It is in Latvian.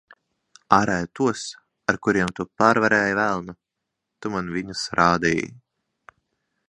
Āre tos, ar kuriem tu pārvarēji velnu. Tu man viņus rādīji.